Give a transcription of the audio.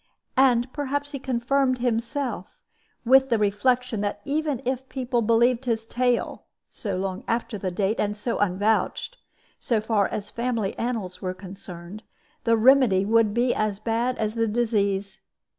And perhaps he confirmed himself with the reflection that even if people believed his tale (so long after date and so unvouched), so far as family annals were concerned, the remedy would be as bad as the disease.